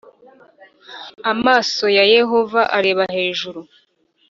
Amasoe ya Yehova areba hejuru